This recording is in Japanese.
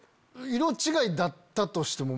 色違いだったとしても。